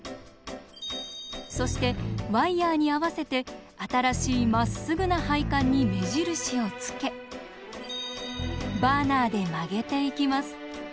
そしてワイヤーに合わせて新しいまっすぐな配管に目印をつけバーナーで曲げていきます。